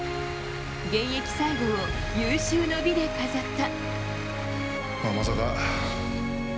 現役最後を有終の美で飾った。